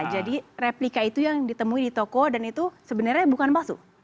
jadi replika itu yang ditemui di toko dan itu sebenarnya bukan palsu